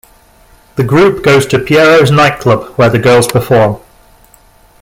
The group goes to Pierrot's nightclub, where the girls perform.